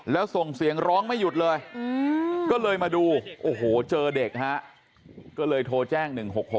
แล้วส่งเสียงร้องไม่หยุดเลยก็เลยมาดูโอ้โหเจอเด็กฮะก็เลยโทรแจ้ง๑๖๖